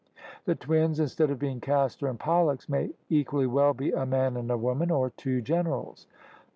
The twins, instead of being Castor and Pollux, may equally well be a man and a woman or tw^o generals.